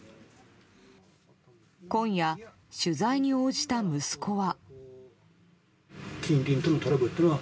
今夜、取材に応じた息子は。